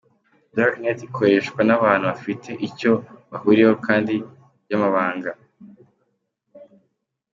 Dark net ikoreshwa n’abantu bafite ibyo bahuriyeho kandi by’amabanga.